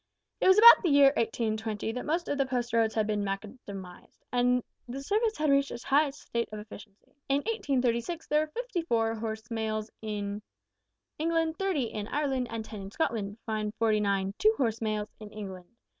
It was about the year 1820 that most of the post roads had been macadamised, and the service had reached its highest state of efficiency. In 1836 there were fifty four horse mails in England, thirty in Ireland, and ten in Scotland, besides forty nine two horse mails in England.